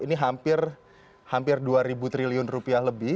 ini hampir dua triliun rupiah lebih